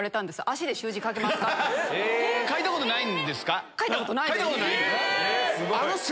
書いたことないんですか？